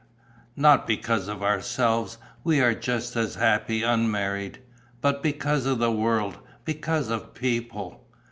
"Not because of ourselves. We are just as happy unmarried. But because of the world, because of people."